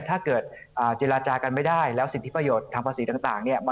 ถ้าเกิดเจรจากันไม่ได้แล้วสิทธิประโยชน์ทางภาษีต่างเนี่ย